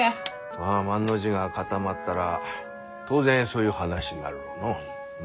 まあ万の字が固まったら当然そういう話になるろうのう。